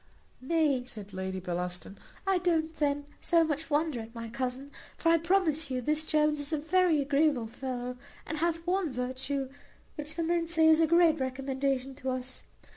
"Nay," said Lady Bellaston, "I don't then so much wonder at my cousin; for I promise you this Jones is a very agreeable fellow, and hath one virtue, which the men say is a great recommendation to us.